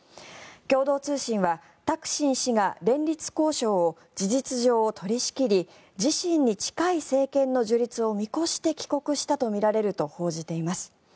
共同通信はタクシン氏が連立交渉を事実上、取り仕切り自身に近い政権の樹立を見越して帰国したとみられると報じています。